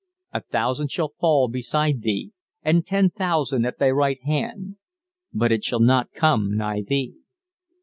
"A thousand shall fall beside thee, and ten thousand at thy right hand: but it shall not come nigh thee.